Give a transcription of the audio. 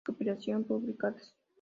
Recopilaciones publicadas